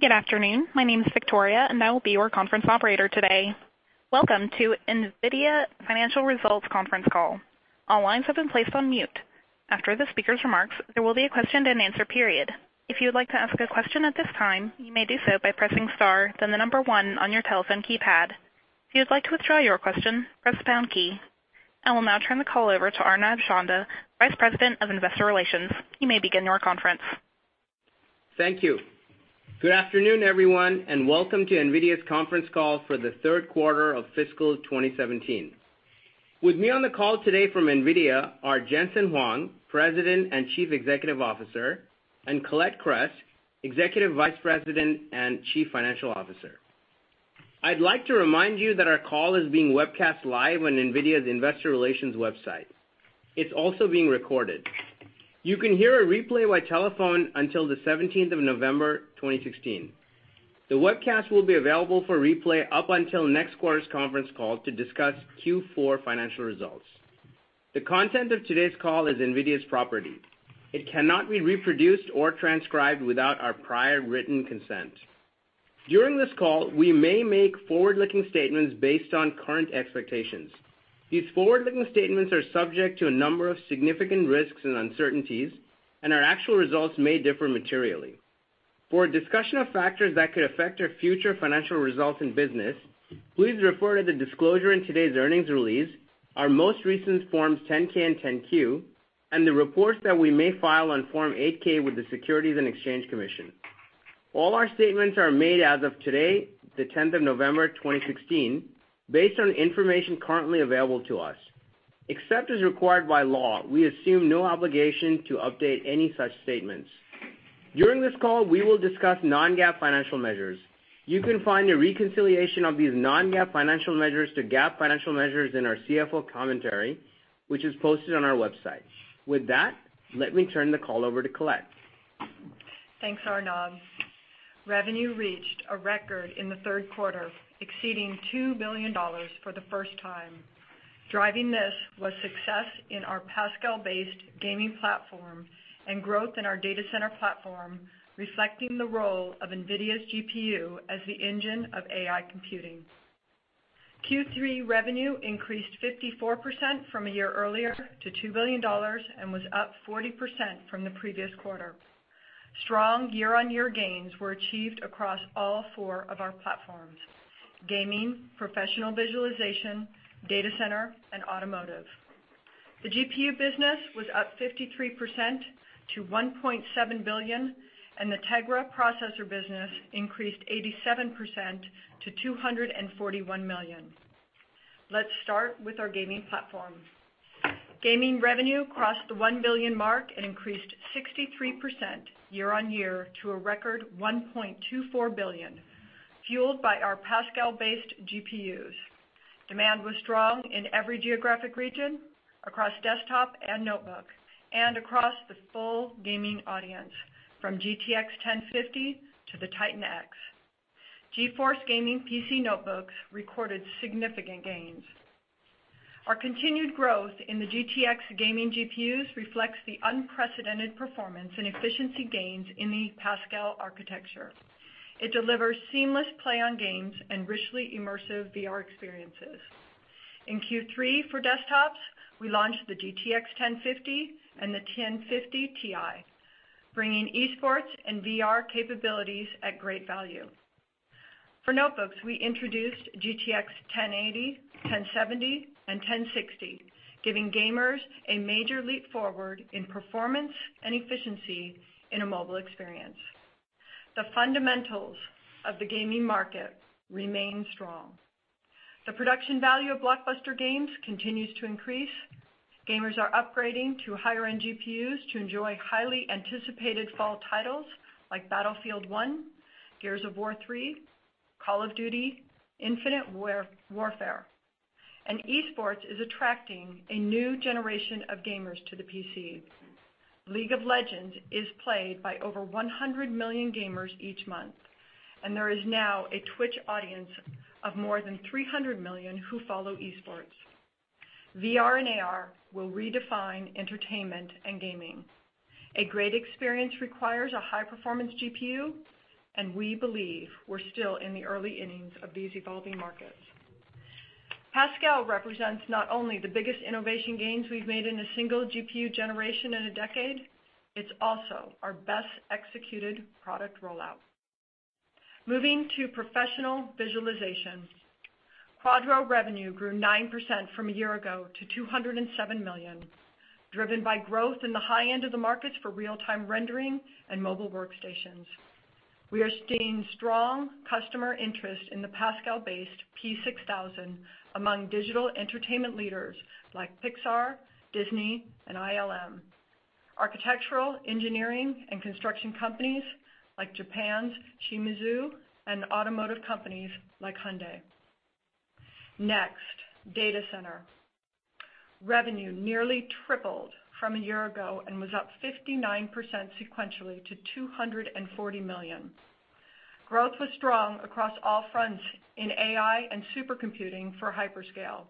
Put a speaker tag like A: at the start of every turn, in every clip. A: Good afternoon. My name is Victoria, and I will be your conference operator today. Welcome to NVIDIA Financial Results Conference Call. All lines have been placed on mute. After the speakers' remarks, there will be a question and answer period. If you would like to ask a question at this time, you may do so by pressing star then the number one on your telephone keypad. If you'd like to withdraw your question, press the pound key. I will now turn the call over to Arnab Chanda, Vice President of Investor Relations. You may begin your conference.
B: Thank you. Good afternoon, everyone, and welcome to NVIDIA's conference call for the third quarter of fiscal 2017. With me on the call today from NVIDIA are Jensen Huang, President and Chief Executive Officer, and Colette Kress, Executive Vice President and Chief Financial Officer. I'd like to remind you that our call is being webcast live on NVIDIA's investor relations website. It's also being recorded. You can hear a replay by telephone until the 17th of November 2016. The webcast will be available for replay up until next quarter's conference call to discuss Q4 financial results. The content of today's call is NVIDIA's property. It cannot be reproduced or transcribed without our prior written consent. During this call, we may make forward-looking statements based on current expectations. These forward-looking statements are subject to a number of significant risks and uncertainties. Our actual results may differ materially. For a discussion of factors that could affect our future financial results and business, please refer to the disclosure in today's earnings release, our most recent Forms 10-K and 10-Q, and the reports that we may file on Form 8-K with the Securities and Exchange Commission. All our statements are made as of today, the 10th of November 2016, based on information currently available to us. Except as required by law, we assume no obligation to update any such statements. During this call, we will discuss non-GAAP financial measures. You can find a reconciliation of these non-GAAP financial measures to GAAP financial measures in our CFO commentary, which is posted on our website. With that, let me turn the call over to Colette.
C: Thanks, Arnab. Revenue reached a record in the third quarter, exceeding $2 billion for the first time. Driving this was success in our Pascal-based gaming platform and growth in our data center platform, reflecting the role of NVIDIA's GPU as the engine of AI computing. Q3 revenue increased 54% from a year earlier to $2 billion. It was up 40% from the previous quarter. Strong year-on-year gains were achieved across all four of our platforms, gaming, professional visualization, data center, and automotive. The GPU business was up 53% to $1.7 billion, and the Tegra processor business increased 87% to $241 million. Let's start with our gaming platform. Gaming revenue crossed the $1 billion mark and increased 63% year-on-year to a record $1.24 billion, fueled by our Pascal-based GPUs. Demand was strong in every geographic region, across desktop and notebook, and across the full gaming audience, from GTX 1050 to the TITAN X. GeForce gaming PC notebooks recorded significant gains. Our continued growth in the GTX gaming GPUs reflects the unprecedented performance and efficiency gains in the Pascal architecture. It delivers seamless play on games and richly immersive VR experiences. In Q3 for desktops, we launched the GTX 1050 and the 1050 Ti, bringing esports and VR capabilities at great value. For notebooks, we introduced GTX 1080, 1070, and 1060, giving gamers a major leap forward in performance and efficiency in a mobile experience. The fundamentals of the gaming market remain strong. The production value of blockbuster games continues to increase. Gamers are upgrading to higher-end GPUs to enjoy highly anticipated fall titles like Battlefield 1, Gears of War 3, Call of Duty: Infinite Warfare. Esports is attracting a new generation of gamers to the PC. League of Legends is played by over 100 million gamers each month, there is now a Twitch audience of more than 300 million who follow esports. VR and AR will redefine entertainment and gaming. A great experience requires a high-performance GPU, we believe we're still in the early innings of these evolving markets. Pascal represents not only the biggest innovation gains we've made in a single GPU generation in a decade, it's also our best-executed product rollout. Moving to professional visualization. Quadro revenue grew 9% from a year ago to $207 million, driven by growth in the high end of the markets for real-time rendering and mobile workstations. We are seeing strong customer interest in the Pascal-based P6000 among digital entertainment leaders like Pixar, Disney, and ILM, architectural, engineering, and construction companies like Japan's Shimizu, automotive companies like Hyundai. Next, data center. Revenue nearly tripled from a year ago and was up 59% sequentially to $240 million. Growth was strong across all fronts in AI and supercomputing for hyperscale,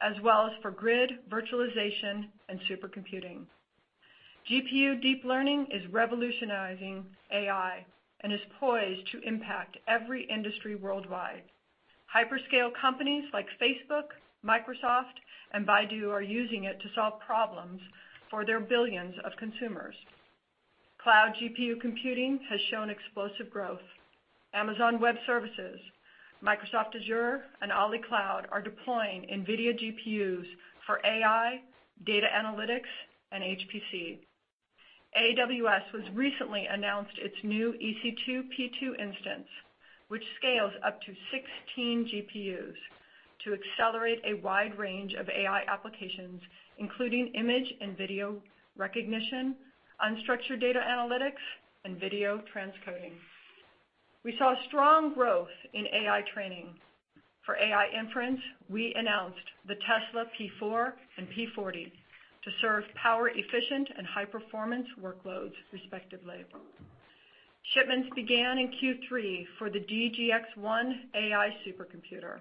C: as well as for GRID virtualization and supercomputing. GPU deep learning is revolutionizing AI and is poised to impact every industry worldwide. Hyperscale companies like Facebook, Microsoft, and Baidu are using it to solve problems for their billions of consumers. Cloud GPU computing has shown explosive growth. Amazon Web Services, Microsoft Azure, and AliCloud are deploying NVIDIA GPUs for AI, data analytics, and HPC. AWS has recently announced its new EC2 P2 instance, which scales up to 16 GPUs to accelerate a wide range of AI applications, including image and video recognition, unstructured data analytics, and video transcoding. We saw strong growth in AI training. For AI inference, we announced the Tesla P4 and P40 to serve power efficient and high-performance workloads respectively. Shipments began in Q3 for the DGX-1 AI supercomputer.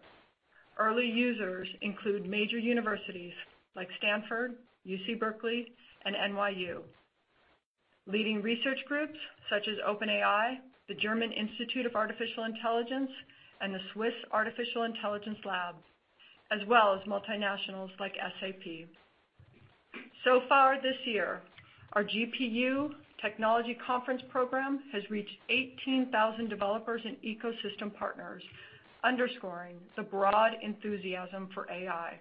C: Early users include major universities like Stanford, UC Berkeley, and NYU. Leading research groups such as OpenAI, the German Research Center for Artificial Intelligence, and the Swiss AI Lab IDSIA, as well as multinationals like SAP. So far this year, our GPU Technology Conference program has reached 18,000 developers and ecosystem partners, underscoring the broad enthusiasm for AI.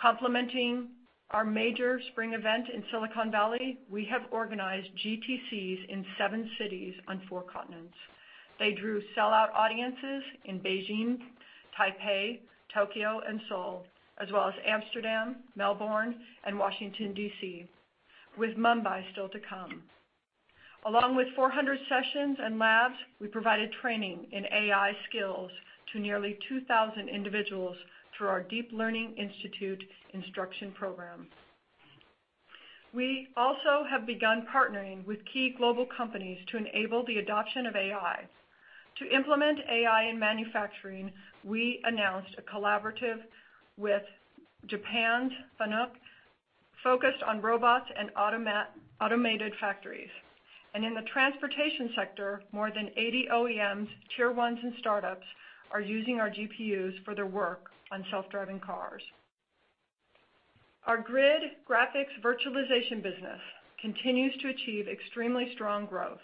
C: Complementing our major spring event in Silicon Valley, we have organized GTCs in seven cities on four continents. They drew sellout audiences in Beijing, Taipei, Tokyo, and Seoul, as well as Amsterdam, Melbourne, and Washington, D.C., with Mumbai still to come. Along with 400 sessions and labs, we provided training in AI skills to nearly 2,000 individuals through our Deep Learning Institute instruction program. We also have begun partnering with key global companies to enable the adoption of AI. To implement AI in manufacturing, we announced a collaborative with Japan's FANUC focused on robots and automated factories. In the transportation sector, more than 80 OEMs, Tier 1s, and startups are using our GPUs for their work on self-driving cars. Our grid graphics virtualization business continues to achieve extremely strong growth.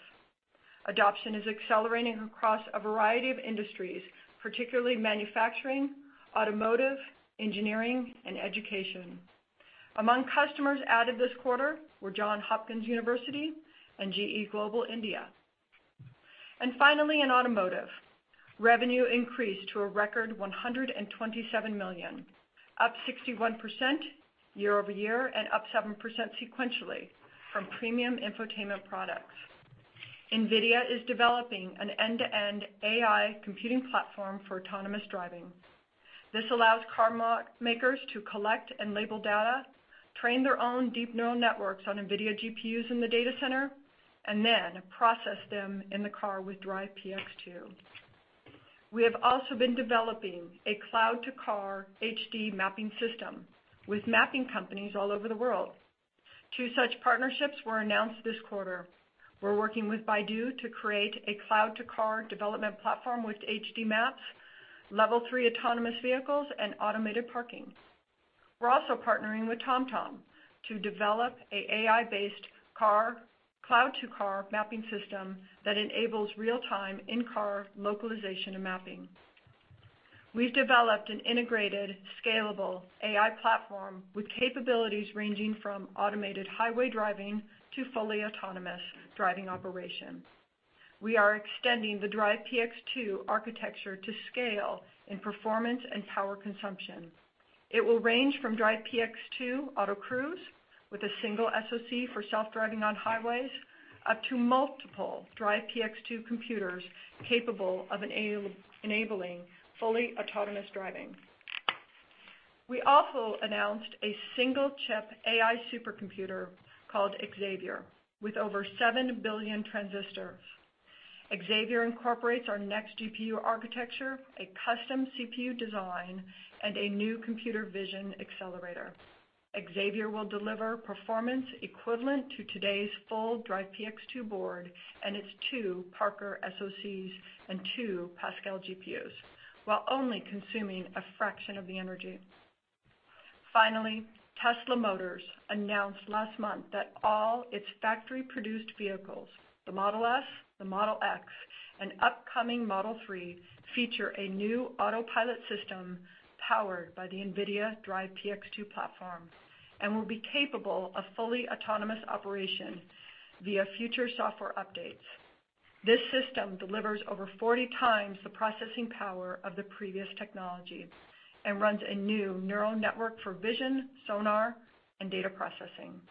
C: Adoption is accelerating across a variety of industries, particularly manufacturing, automotive, engineering, and education. Among customers added this quarter were Johns Hopkins University and GE Global India. Finally, in automotive, revenue increased to a record $127 million, up 61% year-over-year and up 7% sequentially from premium infotainment products. NVIDIA is developing an end-to-end AI computing platform for autonomous driving. This allows car makers to collect and label data, train their own deep neural networks on NVIDIA GPUs in the data center, and then process them in the car with DRIVE PX 2. We have also been developing a cloud-to-car HD mapping system with mapping companies all over the world. Two such partnerships were announced this quarter. We're working with Baidu to create a cloud-to-car development platform with HD maps, level 3 autonomous vehicles, and automated parking. We're also partnering with TomTom to develop an AI-based cloud-to-car mapping system that enables real-time in-car localization and mapping. We've developed an integrated, scalable AI platform with capabilities ranging from automated highway driving to fully autonomous driving operation. We are extending the DRIVE PX 2 architecture to scale in performance and power consumption. It will range from DRIVE PX 2 AutoCruise with a single SoC for self-driving on highways, up to multiple DRIVE PX 2 computers capable of enabling fully autonomous driving. We also announced a single-chip AI supercomputer called Xavier, with over 7 billion transistors. Xavier incorporates our next GPU architecture, a custom CPU design, and a new computer vision accelerator. Xavier will deliver performance equivalent to today's full DRIVE PX 2 board and its two Parker SoCs and two Pascal GPUs, while only consuming a fraction of the energy. Finally, Tesla Motors announced last month that all its factory-produced vehicles, the Model S, the Model X, and upcoming Model 3, feature a new autopilot system powered by the NVIDIA DRIVE PX 2 platform and will be capable of fully autonomous operation via future software updates. This system delivers over 40 times the processing power of the previous technology and runs a new neural network for vision, sonar, and data processing.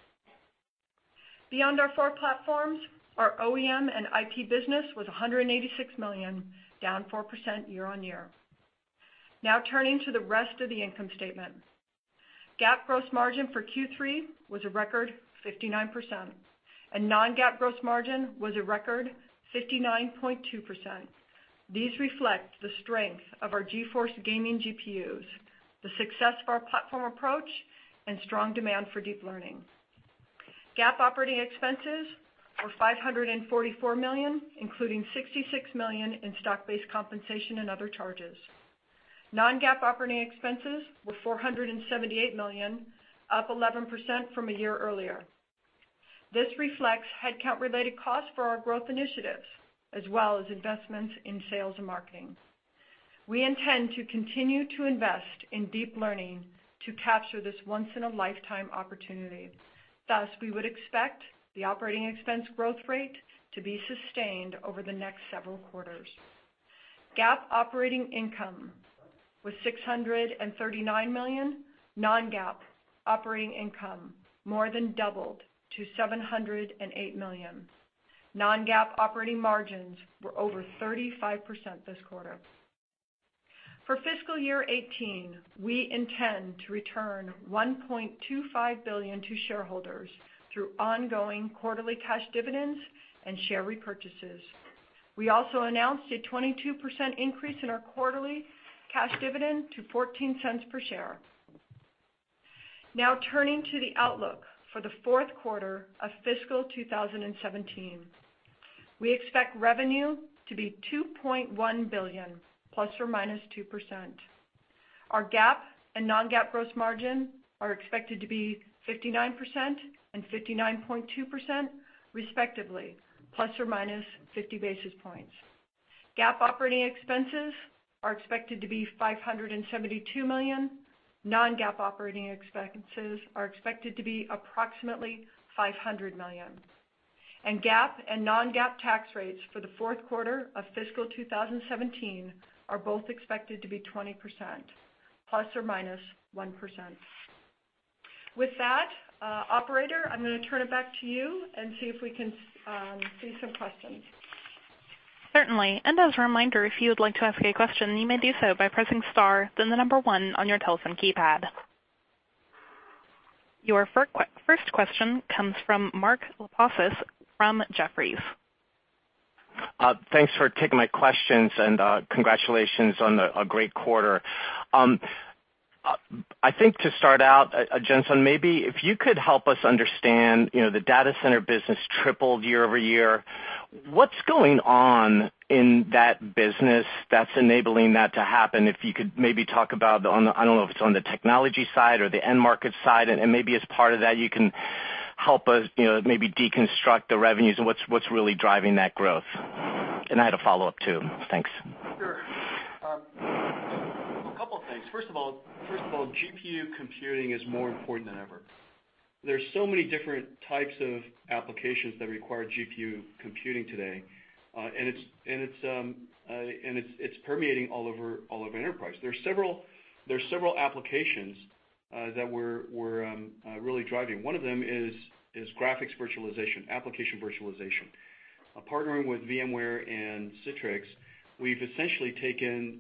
C: Beyond our four platforms, our OEM and IP business was $186 million, down 4% year-on-year. Turning to the rest of the income statement. GAAP gross margin for Q3 was a record 59%, and non-GAAP gross margin was a record 59.2%. These reflect the strength of our GeForce gaming GPUs, the success of our platform approach, and strong demand for deep learning. GAAP operating expenses were $544 million, including $66 million in stock-based compensation and other charges. Non-GAAP operating expenses were $478 million, up 11% from a year earlier. This reflects headcount-related costs for our growth initiatives as well as investments in sales and marketing. We intend to continue to invest in deep learning to capture this once-in-a-lifetime opportunity. Thus, we would expect the operating expense growth rate to be sustained over the next several quarters. GAAP operating income was $639 million. Non-GAAP operating income more than doubled to $708 million. Non-GAAP operating margins were over 35% this quarter. For fiscal year 2018, we intend to return $1.25 billion to shareholders through ongoing quarterly cash dividends and share repurchases. We also announced a 22% increase in our quarterly cash dividend to $0.14 per share. Turning to the outlook for the fourth quarter of fiscal 2017. We expect revenue to be $2.1 billion, plus or minus 2%. Our GAAP and non-GAAP gross margin are expected to be 59% and 59.2%, respectively, plus or minus 50 basis points. GAAP operating expenses are expected to be $572 million. Non-GAAP operating expenses are expected to be approximately $500 million. GAAP and non-GAAP tax rates for the fourth quarter of fiscal 2017 are both expected to be 20%, plus or minus 1%. With that, operator, I'm going to turn it back to you and see if we can see some questions.
A: Certainly. As a reminder, if you would like to ask a question, you may do so by pressing star, then the number one on your telephone keypad. Your first question comes from Mark Lipacis from Jefferies.
D: Thanks for taking my questions, and congratulations on a great quarter. To start out, Jensen, maybe if you could help us understand, the data center business tripled year-over-year. What's going on in that business that's enabling that to happen? If you could maybe talk about, I don't know if it's on the technology side or the end market side, and maybe as part of that, you can help us maybe deconstruct the revenues and what's really driving that growth. I had a follow-up, too. Thanks.
C: Sure. A couple things. First of all, GPU computing is more important than ever. There are so many different types of applications that require GPU computing today, and it's permeating all over enterprise. There are several applications that we're really driving. One of them is graphics virtualization, application virtualization. Partnering with VMware and Citrix, we've essentially taken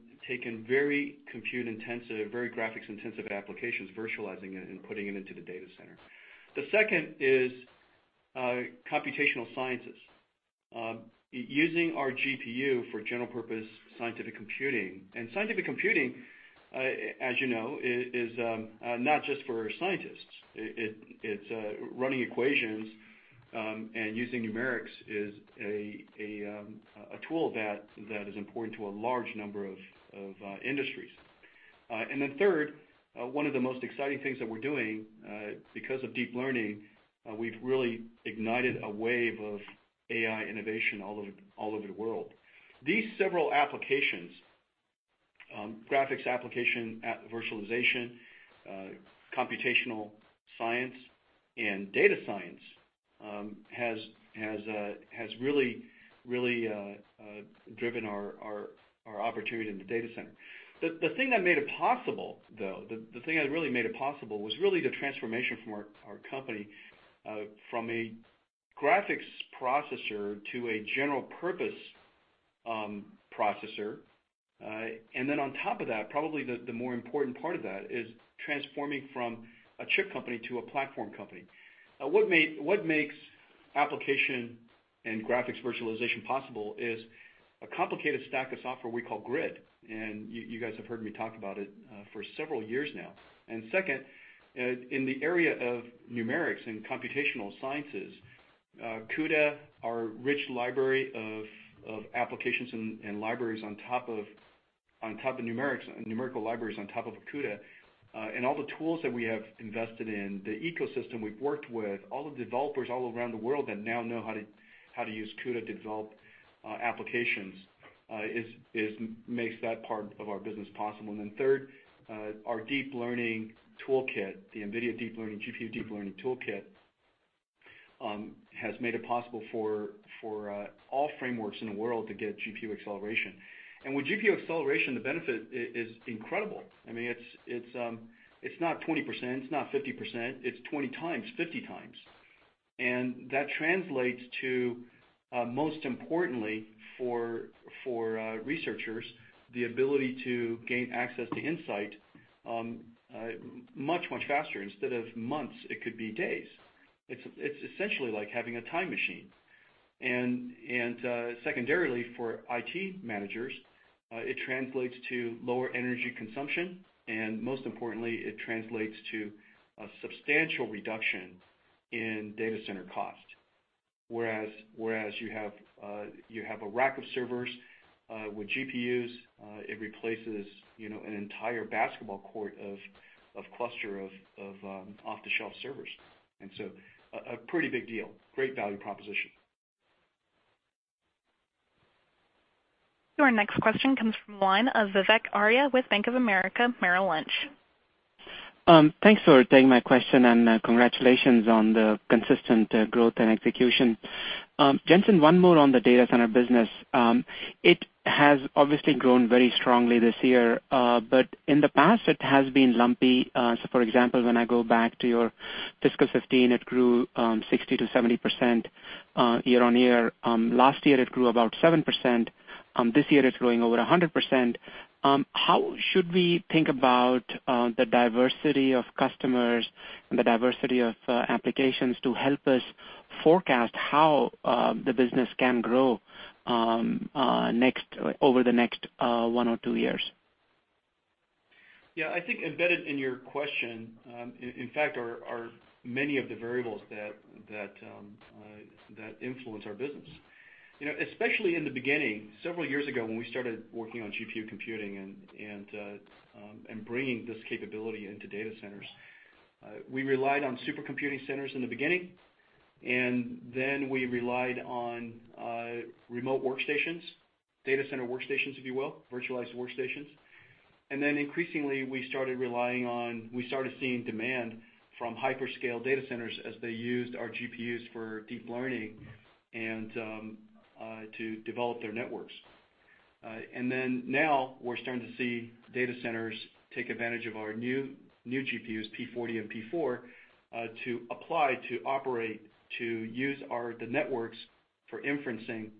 C: very compute-intensive, very graphics-intensive applications, virtualizing it, and putting it into the data center. The second is computational sciences. Using our GPU for general purpose scientific computing. Scientific computing, as you know, is not just for scientists. It's running equations, and using numerics is a tool that is important to a large number of industries. Third, one of the most exciting things that we're doing, because of deep learning, we've really ignited a wave of AI innovation all over the world. These several applications, graphics application virtualization, computational science, and data science, has really driven our opportunity in the data center. The thing that made it possible, though, was really the transformation from our company from a graphics processor to a general-purpose processor. On top of that, probably the more important part of that is transforming from a chip company to a platform company. What makes application and graphics virtualization possible is a complicated stack of software we call GRID. You guys have heard me talk about it for several years now. Second, in the area of numerics and computational sciences, CUDA, our rich library of applications and libraries on top of numerical libraries on top of CUDA, all the tools that we have invested in, the ecosystem we've worked with, all the developers all around the world that now know how to use CUDA to develop applications, makes that part of our business possible. Third, our deep learning toolkit, the NVIDIA GPU Deep Learning Toolkit, has made it possible for all frameworks in the world to get GPU acceleration. With GPU acceleration, the benefit is incredible. It's not 20%, it's not 50%, it's 20 times, 50 times.
E: That translates to, most importantly for researchers, the ability to gain access to insight much faster. Instead of months, it could be days. It's essentially like having a time machine. Secondarily, for IT managers, it translates to lower energy consumption, and most importantly, it translates to a substantial reduction in data center cost. Whereas you have a rack of servers with GPUs, it replaces an entire basketball court of cluster of off-the-shelf servers. A pretty big deal. Great value proposition.
A: Your next question comes from the line of Vivek Arya with Bank of America Merrill Lynch.
F: Thanks for taking my question, and congratulations on the consistent growth and execution. Jensen, one more on the data center business. It has obviously grown very strongly this year, but in the past, it has been lumpy. For example, when I go back to your fiscal 2015, it grew 60%-70% year-over-year. Last year it grew about 7%. This year it's growing over 100%. How should we think about the diversity of customers and the diversity of applications to help us forecast how the business can grow over the next one or two years?
E: I think embedded in your question, in fact, are many of the variables that influence our business. Especially in the beginning, several years ago, when we started working on GPU computing and bringing this capability into data centers, we relied on super computing centers in the beginning, then we relied on remote workstations, data center workstations, if you will, virtualized workstations. Increasingly, we started seeing demand from hyperscale data centers as they used our GPUs for deep learning and to develop their networks. Now we're starting to see data centers take advantage of our new GPUs, P40 and P4, to apply, to operate, to use the networks for inferencing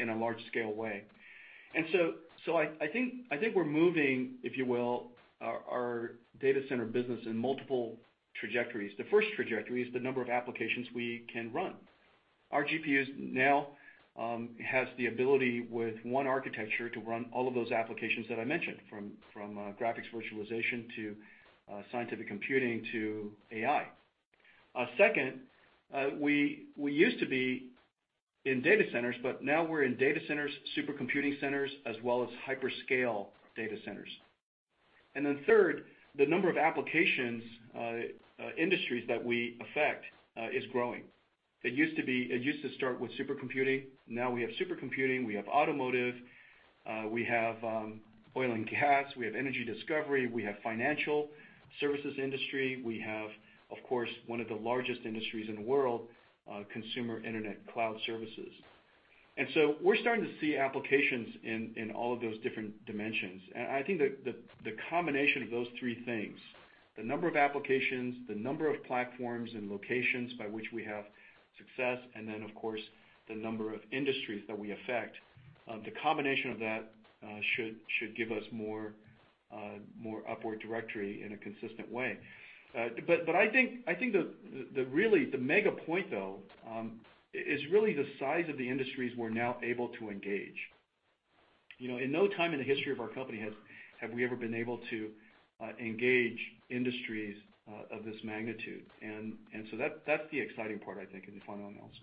E: in a large scale way. I think we're moving, if you will, our data center business in multiple trajectories. The first trajectory is the number of applications we can run. Our GPUs now has the ability with one architecture to run all of those applications that I mentioned, from graphics virtualization to scientific computing to AI. Second, we used to be in data centers, now we're in data centers, super computing centers, as well as hyperscale data centers. Third, the number of applications, industries that we affect is growing. It used to start with super computing. Now we have super computing. We have automotive. We have oil and gas. We have energy discovery. We have financial services industry. We have, of course, one of the largest industries in the world, consumer internet cloud services. We're starting to see applications in all of those different dimensions. I think the combination of those three things, the number of applications, the number of platforms and locations by which we have success, of course, the number of industries that we affect, the combination of that should give us more upward trajectory in a consistent way. I think the mega point, though, is really the size of the industries we're now able to engage. In no time in the history of our company have we ever been able to engage industries of this magnitude. That's the exciting part, I think, in the final analysis.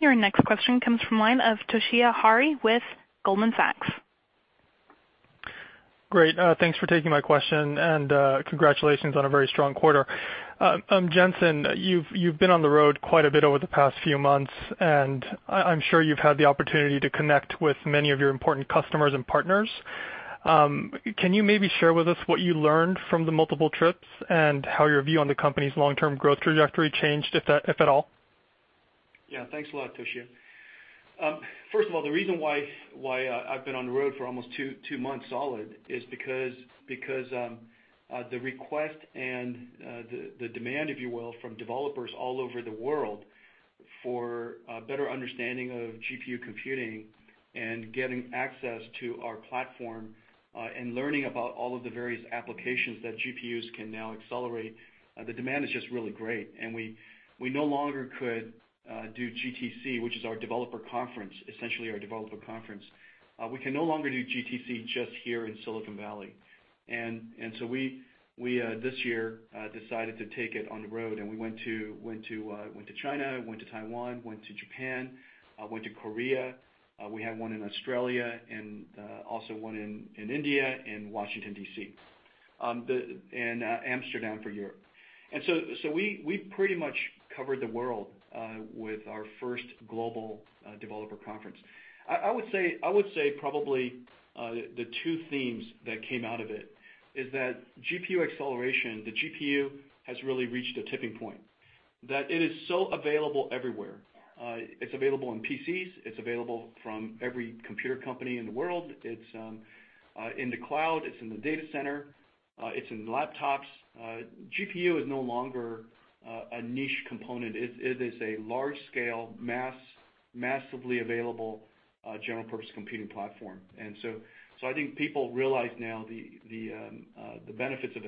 A: Your next question comes from line of Toshiya Hari with Goldman Sachs.
G: Great. Thanks for taking my question, and congratulations on a very strong quarter. Jensen, you've been on the road quite a bit over the past few months, and I'm sure you've had the opportunity to connect with many of your important customers and partners. Can you maybe share with us what you learned from the multiple trips, and how your view on the company's long-term growth trajectory changed, if at all?
E: Yeah. Thanks a lot, Toshiya. First of all, the reason why I've been on the road for almost two months solid is because the request and the demand, if you will, from developers all over the world for a better understanding of GPU computing and getting access to our platform, and learning about all of the various applications that GPUs can now accelerate, the demand is just really great. We no longer could do GTC, which is our developer conference, essentially our developer conference. We can no longer do GTC just here in Silicon Valley. We, this year, decided to take it on the road, we went to China, went to Taiwan, went to Japan, went to Korea. We had one in Australia and also one in India and Washington, D.C., and Amsterdam for Europe. We pretty much covered the world with our first global developer conference. I would say probably the two themes that came out of it is that GPU acceleration, the GPU has really reached a tipping point. That it is so available everywhere. It's available on PCs. It's available from every computer company in the world. It's in the cloud, it's in the data center, it's in laptops. GPU is no longer a niche component. It is a large-scale, massively available, general-purpose computing platform. I think people realize now the benefits of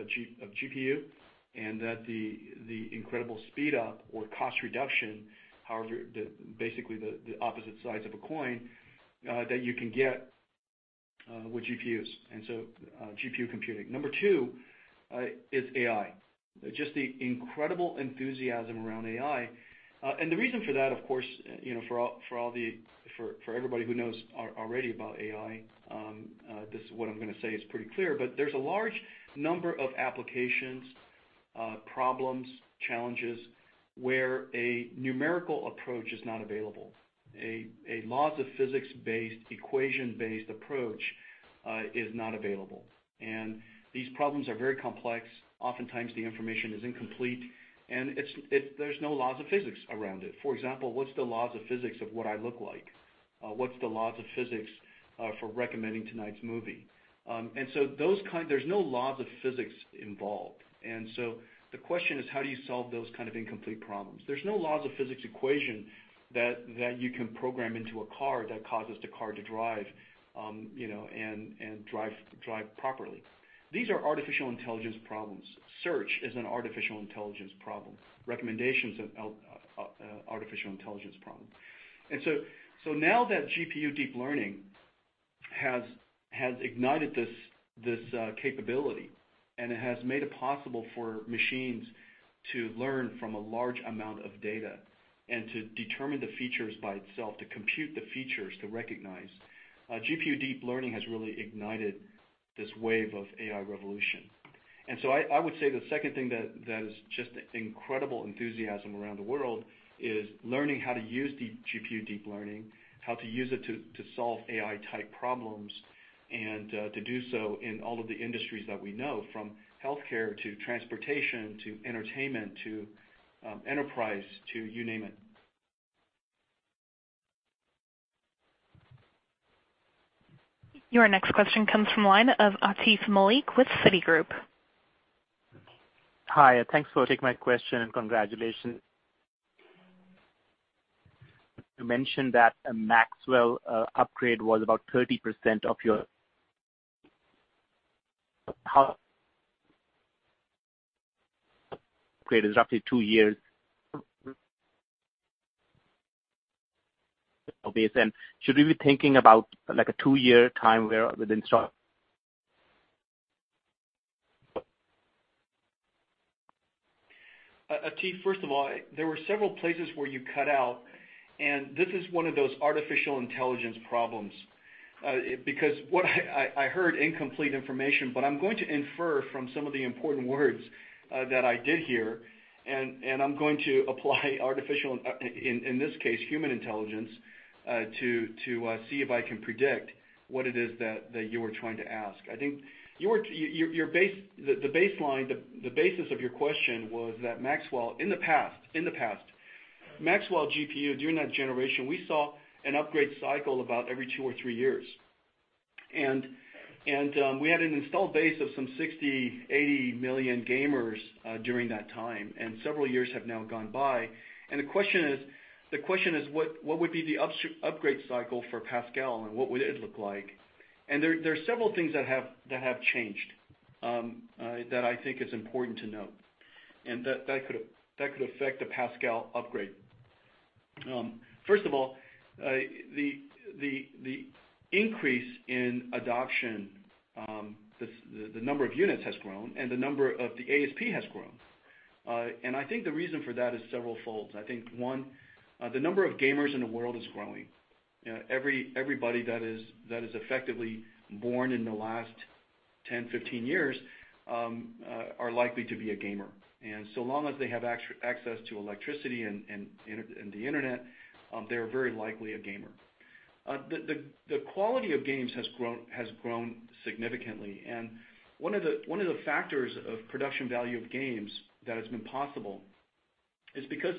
E: GPU, and that the incredible speed up or cost reduction, basically the opposite sides of a coin, that you can get with GPUs. GPU computing. Number 2 is AI. Just the incredible enthusiasm around AI. The reason for that, of course, for everybody who knows already about AI, what I'm going to say is pretty clear, but there's a large number of applications, problems, challenges, where a numerical approach is not available. A laws of physics-based, equation-based approach is not available. These problems are very complex. Oftentimes, the information is incomplete, and there's no laws of physics around it. For example, what's the laws of physics of what I look like? What's the laws of physics for recommending tonight's movie? There's no laws of physics involved. The question is, how do you solve those kind of incomplete problems? There's no laws of physics equation that you can program into a car that causes the car to drive, and drive properly. These are Artificial Intelligence problems. Search is an Artificial Intelligence problem. Recommendations, an Artificial Intelligence problem. Now that GPU deep learning has ignited this capability, and it has made it possible for machines to learn from a large amount of data, and to determine the features by itself, to compute the features to recognize, GPU deep learning has really ignited this wave of AI revolution. I would say the second thing that is just incredible enthusiasm around the world is learning how to use the GPU deep learning, how to use it to solve AI-type problems, and to do so in all of the industries that we know, from healthcare to transportation, to entertainment, to enterprise, to you name it.
A: Your next question comes from the line of Atif Malik with Citigroup.
H: Hi. Thanks for taking my question, and congratulations.
E: Atif, first of all, there were several places where you cut out, this is one of those artificial intelligence problems. I heard incomplete information, but I'm going to infer from some of the important words that I did hear, and I'm going to apply artificial, in this case, human intelligence, to see if I can predict what it is that you were trying to ask. I think the basis of your question was that Maxwell, in the past, Maxwell GPU, during that generation, we saw an upgrade cycle about every two or three years. We had an installed base of some 60 million-80 million gamers during that time. Several years have now gone by. The question is what would be the upgrade cycle for Pascal, and what would it look like? There are several things that have changed that I think is important to note, and that could affect the Pascal upgrade. First of all, the increase in adoption, the number of units has grown, and the number of the ASP has grown. I think the reason for that is severalfold. I think, one, the number of gamers in the world is growing. Everybody that is effectively born in the last 10-15 years, are likely to be a gamer. So long as they have access to electricity and the internet, they're very likely a gamer. The quality of games has grown significantly, one of the factors of production value of games that has been possible is because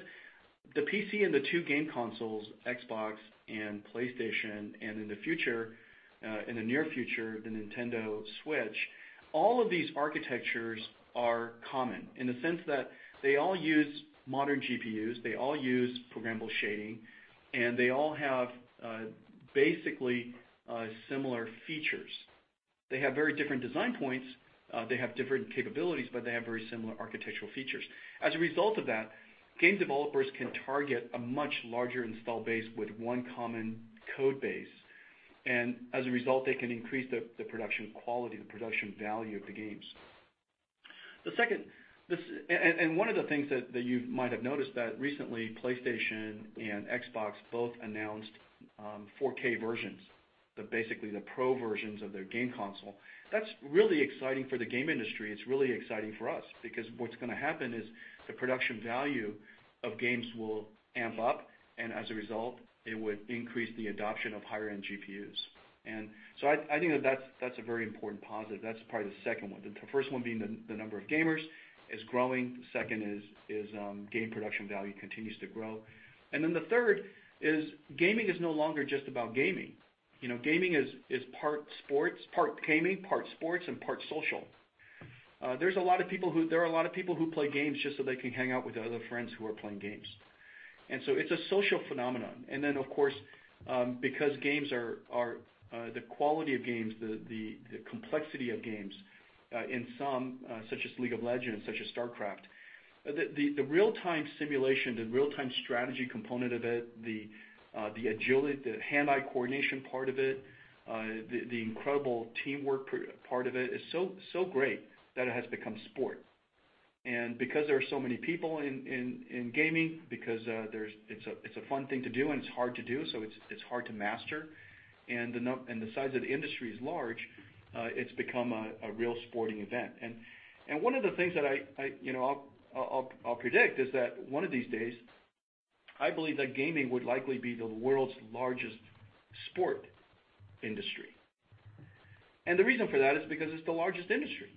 E: the PC and the two game consoles, Xbox and PlayStation, and in the near future, the Nintendo Switch, all of these architectures are common in the sense that they all use modern GPUs, they all use programmable shading, and they all have basically similar features. They have very different design points. They have different capabilities, but they have very similar architectural features. As a result of that, game developers can target a much larger install base with one common code base. As a result, they can increase the production quality, the production value of the games. One of the things that you might have noticed that recently PlayStation and Xbox both announced 4K versions, basically the pro versions of their game console. That's really exciting for the game industry. It's really exciting for us, because what's going to happen is the production value of games will amp up, and as a result, it would increase the adoption of higher-end GPUs. I think that's a very important positive. That's probably the second one. The first one being the number of gamers is growing. The second is game production value continues to grow. The third is gaming is no longer just about gaming. Gaming is part gaming, part sports, and part social. There are a lot of people who play games just so they can hang out with their other friends who are playing games. It's a social phenomenon. Of course, because the quality of games, the complexity of games in some, such as League of Legends, such as StarCraft, the real-time simulation, the real-time strategy component of it, the agility, the hand-eye coordination part of it, the incredible teamwork part of it is so great that it has become sport. Because there are so many people in gaming, because it's a fun thing to do, and it's hard to do, so it's hard to master, and the size of the industry is large, it's become a real sporting event. One of the things that I'll predict is that one of these days, I believe that gaming would likely be the world's largest sport industry. The reason for that is because it's the largest industry.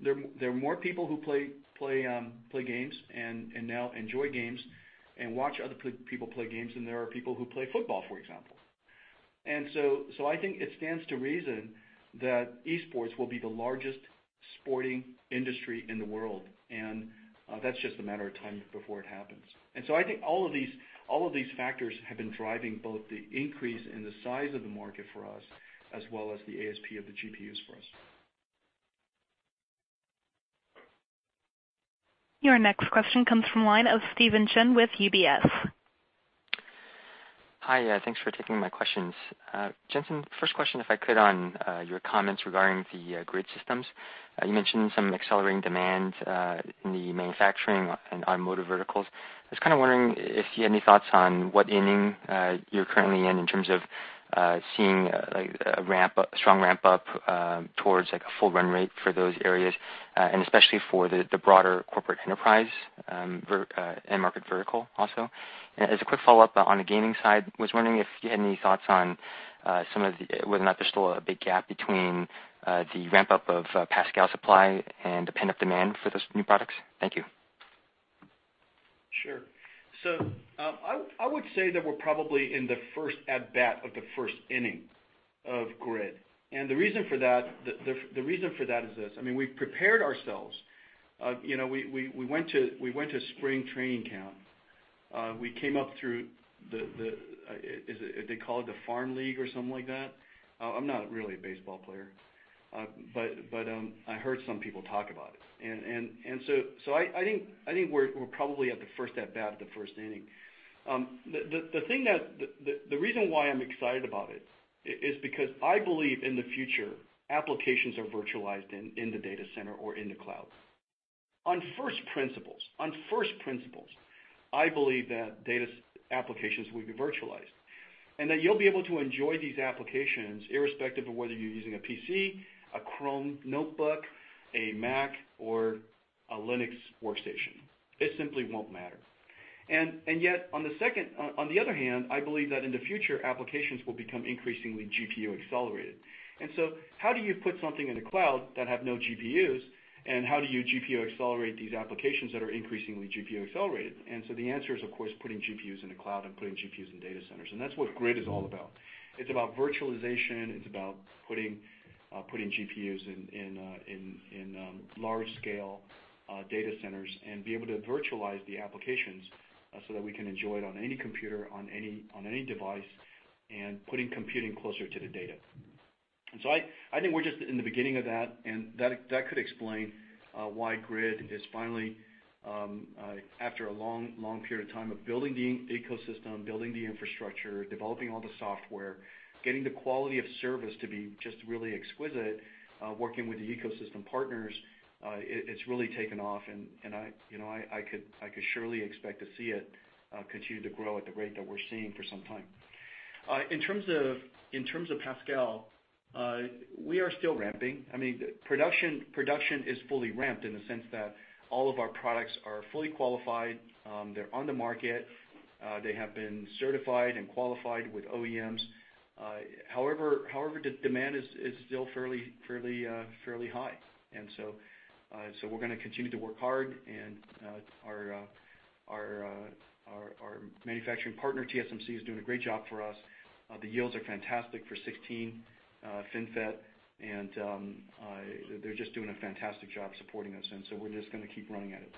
E: There are more people who play games and now enjoy games and watch other people play games than there are people who play football, for example. I think it stands to reason that esports will be the largest sporting industry in the world, and that's just a matter of time before it happens. I think all of these factors have been driving both the increase in the size of the market for us as well as the ASP of the GPUs for us.
A: Your next question comes from the line of Stephen Chin with UBS.
I: Hi. Thanks for taking my questions. Jensen, first question, if I could, on your comments regarding the GRID systems. You mentioned some accelerating demand in the manufacturing and automotive verticals. I was kind of wondering if you had any thoughts on what inning you're currently in terms of seeing a strong ramp-up towards a full run rate for those areas, and especially for the broader corporate enterprise end market vertical also. As a quick follow-up on the gaming side, was wondering if you had any thoughts on whether or not there's still a big gap between the ramp-up of Pascal supply and the pent-up demand for those new products. Thank you.
E: Sure. I would say that we're probably in the first at-bat of the first inning of GRID. The reason for that is this. We've prepared ourselves. We went to spring training camp. We came up through the, they call it the farm league or something like that. I'm not really a baseball player, but I heard some people talk about it. I think we're probably at the first at-bat of the first inning. The reason why I'm excited about it is because I believe in the future, applications are virtualized in the data center or in the cloud. On first principles, I believe that data applications will be virtualized, and that you'll be able to enjoy these applications irrespective of whether you're using a PC, a Chrome notebook, a Mac, or a Linux workstation. It simply won't matter. Yet on the other hand, I believe that in the future, applications will become increasingly GPU accelerated. How do you put something in the cloud that have no GPUs, and how do you GPU accelerate these applications that are increasingly GPU accelerated? The answer is, of course, putting GPUs in the cloud and putting GPUs in data centers. That's what GRID is all about. It's about virtualization. It's about putting GPUs in large-scale data centers and be able to virtualize the applications so that we can enjoy it on any computer, on any device, and putting computing closer to the data. I think we're just in the beginning of that, and that could explain why GRID is finally, after a long period of time of building the ecosystem, building the infrastructure, developing all the software, getting the quality of service to be just really exquisite, working with the ecosystem partners, it's really taken off, and I could surely expect to see it continue to grow at the rate that we're seeing for some time. In terms of Pascal, we are still ramping. Production is fully ramped in the sense that all of our products are fully qualified. They're on the market. They have been certified and qualified with OEMs. However, the demand is still fairly high. We're going to continue to work hard, and our manufacturing partner, TSMC, is doing a great job for us. The yields are fantastic for 16nm FinFET, they're just doing a fantastic job supporting us, so we're just going to keep running at it.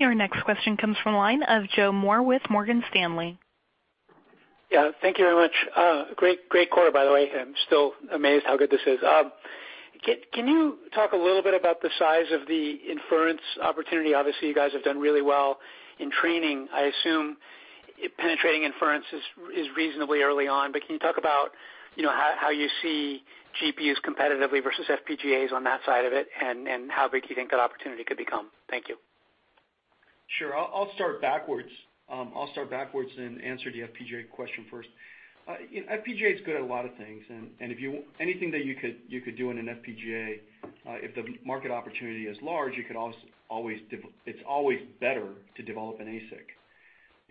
A: Your next question comes from the line of Joe Moore with Morgan Stanley.
J: Yeah, thank you very much. Great quarter, by the way. I'm still amazed how good this is. Can you talk a little bit about the size of the inference opportunity? Obviously, you guys have done really well in training. I assume penetrating inference is reasonably early on, but can you talk about how you see GPUs competitively versus FPGAs on that side of it, and how big you think that opportunity could become? Thank you.
E: Sure. I'll start backwards and answer the FPGA question first. FPGA is good at a lot of things, anything that you could do in an FPGA, if the market opportunity is large, it's always better to develop an ASIC.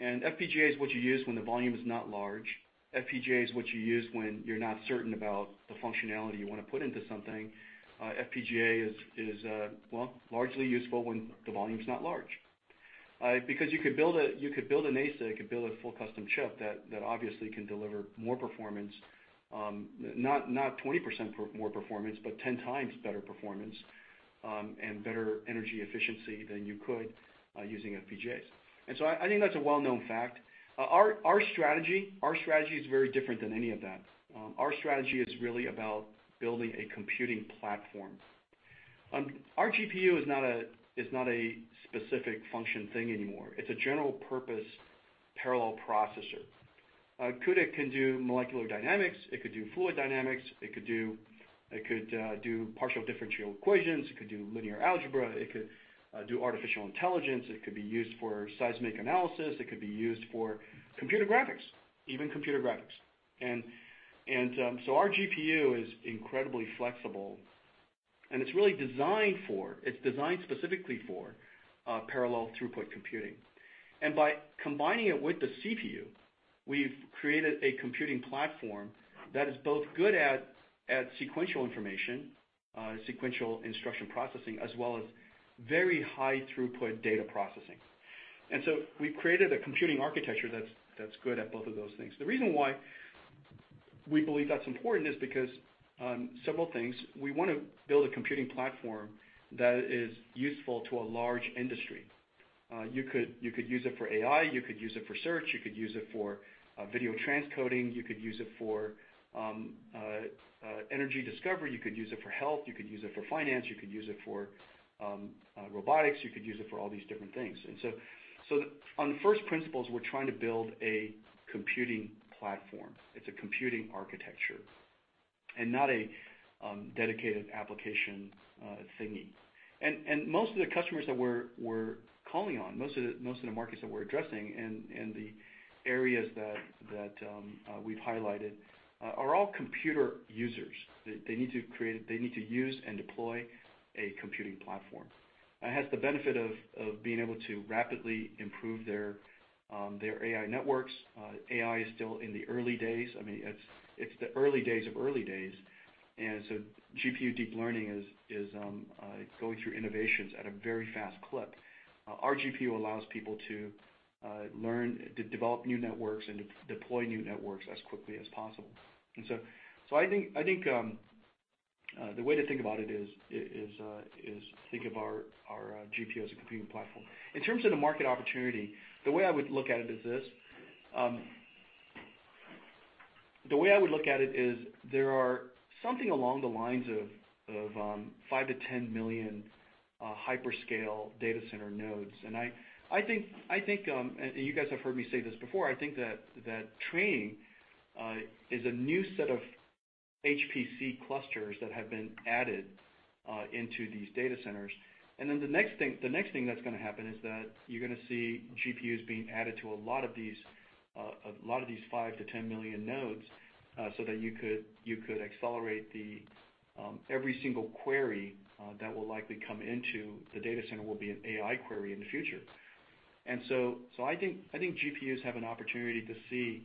E: FPGA is what you use when the volume is not large. FPGA is what you use when you're not certain about the functionality you want to put into something. FPGA is largely useful when the volume's not large. Because you could build an ASIC, you could build a full custom chip that obviously can deliver more performance, not 20% more performance, but 10 times better performance, better energy efficiency than you could using FPGAs. I think that's a well-known fact. Our strategy is very different than any of that. Our strategy is really about building a computing platform. Our GPU is not a specific function thing anymore. It's a general purpose parallel processor. CUDA can do molecular dynamics, it could do fluid dynamics, it could do partial differential equations, it could do linear algebra, it could do artificial intelligence, it could be used for seismic analysis, it could be used for computer graphics. Even computer graphics. Our GPU is incredibly flexible, and it's really designed specifically for parallel throughput computing. By combining it with the CPU, we've created a computing platform that is both good at sequential information, sequential instruction processing, as well as very high throughput data processing. We've created a computing architecture that's good at both of those things. The reason why we believe that's important is because several things. We want to build a computing platform that is useful to a large industry. You could use it for AI, you could use it for search, you could use it for video transcoding, you could use it for energy discovery, you could use it for health, you could use it for finance, you could use it for robotics, you could use it for all these different things. On first principles, we're trying to build a computing platform. It's a computing architecture, and not a dedicated application thingy. Most of the customers that we're calling on, most of the markets that we're addressing and the areas that we've highlighted are all computer users. They need to use and deploy a computing platform. It has the benefit of being able to rapidly improve their AI networks. AI is still in the early days. It's the early days of early days. GPU deep learning is going through innovations at a very fast clip. Our GPU allows people to learn to develop new networks and deploy new networks as quickly as possible. I think the way to think about it is think of our GPU as a computing platform. In terms of the market opportunity, the way I would look at it is this. The way I would look at it is there are something along the lines of 5-10 million hyperscale data center nodes. You guys have heard me say this before, I think that training is a new set of HPC clusters that have been added into these data centers. The next thing that's going to happen is that you're going to see GPUs being added to a lot of these 5-10 million nodes, so that you could accelerate every single query that will likely come into the data center will be an AI query in the future. I think GPUs have an opportunity to see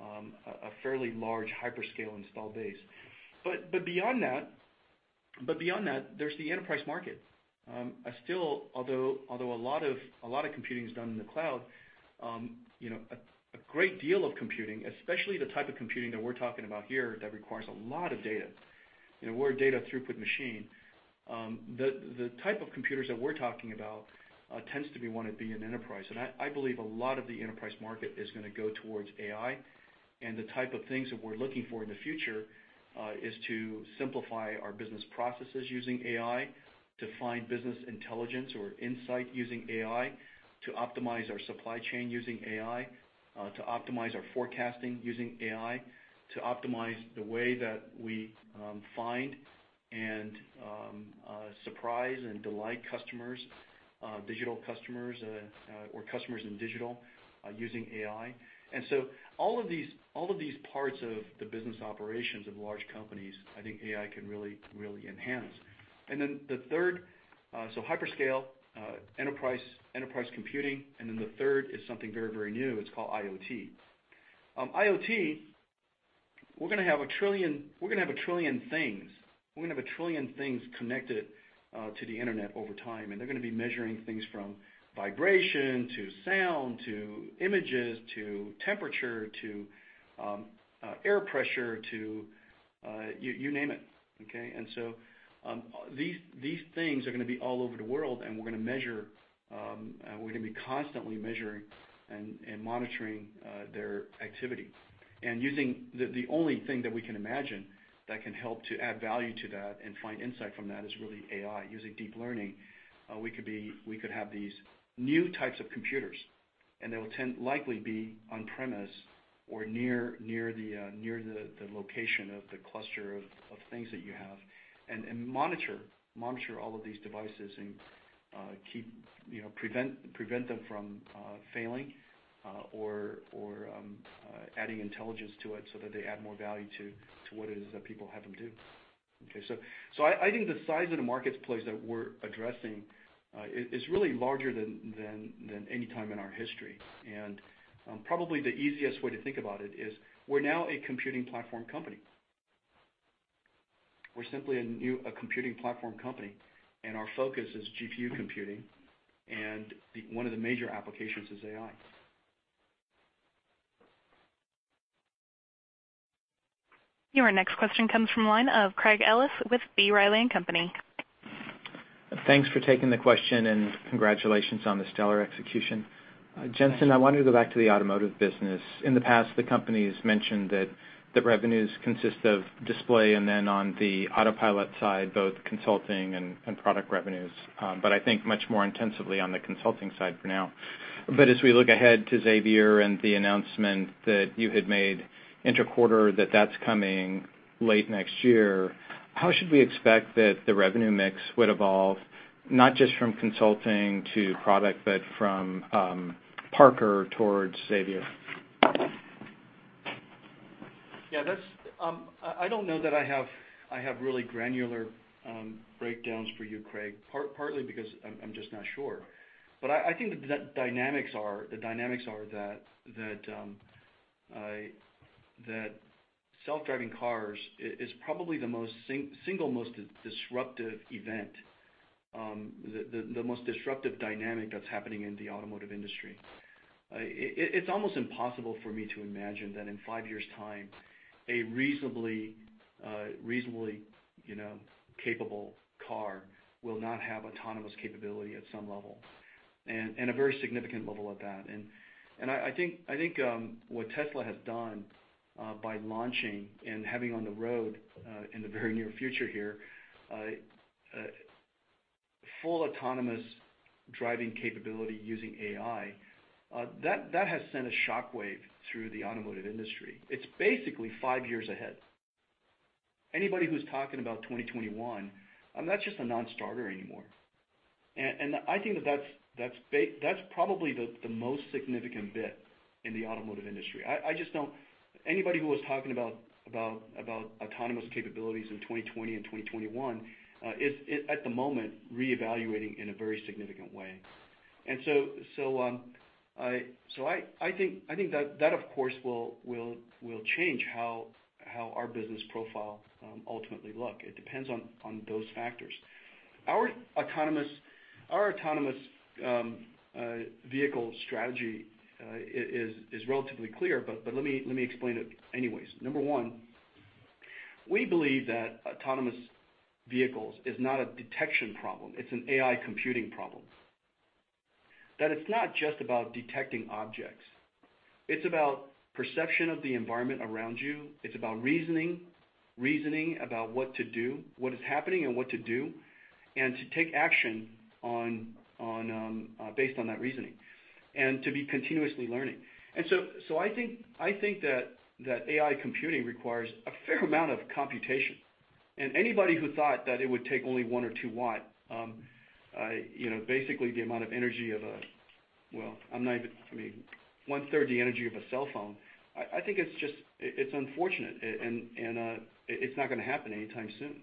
E: a fairly large hyperscale installed base. Beyond that, there's the enterprise market. Although a lot of computing is done in the cloud, a great deal of computing, especially the type of computing that we're talking about here, that requires a lot of data, we're a data throughput machine. The type of computers that we're talking about tends to be want to be an enterprise. I believe a lot of the enterprise market is going to go towards AI. The type of things that we're looking for in the future, is to simplify our business processes using AI, to find business intelligence or insight using AI, to optimize our supply chain using AI, to optimize our forecasting using AI, to optimize the way that we find and surprise and delight customers, digital customers, or customers in digital, using AI. All of these parts of the business operations of large companies, I think AI can really enhance. Hyperscale, enterprise computing, and the third is something very new. It's called IoT. IoT, we're going to have a trillion things. We're going to have a trillion things connected to the internet over time, and they're going to be measuring things from vibration, to sound, to images, to temperature, to air pressure, to you name it. Okay. These things are going to be all over the world, and we're going to be constantly measuring and monitoring their activity. The only thing that we can imagine that can help to add value to that and find insight from that is really AI. Using deep learning, we could have these new types of computers, and they will likely be on premise or near the location of the cluster of things that you have, and monitor all of these devices and prevent them from failing or adding intelligence to it so that they add more value to what it is that people have them do. Okay. I think the size of the marketplace that we're addressing is really larger than any time in our history. Probably the easiest way to think about it is we're now a computing platform company. We're simply a computing platform company, Our focus is GPU computing, One of the major applications is AI.
A: Your next question comes from the line of Craig Ellis with B. Riley & Company.
K: Thanks for taking the question and congratulations on the stellar execution.
E: Thanks.
K: Jensen, I wanted to go back to the automotive business. In the past, the company's mentioned that the revenues consist of display, and then on the autopilot side, both consulting and product revenues but I think much more intensively on the consulting side for now. I think the revenue mix would evolve, not just from consulting to product, but from Parker towards Xavier?
E: Yeah. I don't know that I have really granular breakdowns for you, Craig, partly because I'm just not sure. I think the dynamics are that self-driving cars is probably the single most disruptive event, the most disruptive dynamic that's happening in the automotive industry. It's almost impossible for me to imagine that in five years' time, a reasonably capable car will not have autonomous capability at some level, and a very significant level at that. I think what Tesla has done by launching and having on the road, in the very near future here, full autonomous driving capability using AI, that has sent a shockwave through the automotive industry. It's basically five years ahead. Anybody who's talking about 2021, that's just a non-starter anymore. I think that's probably the most significant bit in the automotive industry. Anybody who was talking about autonomous capabilities in 2020 and 2021 is at the moment reevaluating in a very significant way. I think that of course will change how our business profile ultimately look. It depends on those factors. Our autonomous vehicle strategy is relatively clear, but let me explain it anyways. Number one, we believe that autonomous vehicles is not a detection problem, it's an AI computing problem. That it's not just about detecting objects. It's about perception of the environment around you. It's about reasoning about what to do, what is happening, and what to do, and to take action based on that reasoning, and to be continuously learning. I think that AI computing requires a fair amount of computation, and anybody who thought that it would take only 1 or 2 watts, basically one third the energy of a cell phone, I think it's unfortunate, and it's not going to happen anytime soon.